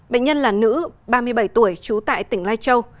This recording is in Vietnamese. bệnh nhân là nữ ba mươi bảy tuổi trú tại tỉnh lai châu